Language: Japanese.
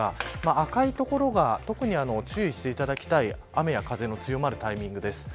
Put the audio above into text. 赤い所が特に注意していただきたい雨や風の強まるタイミングです。